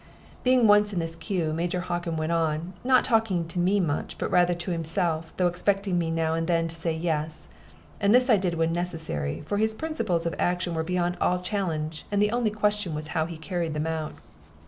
Being once in this cue, Major Hockin went on, not talking to me much, but rather to himself, though expecting me now and then to say "yes;" and this I did when necessary, for his principles of action were beyond all challenge, and the only question was how he carried them out.